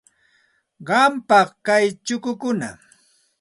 Qampam kay chukukuna.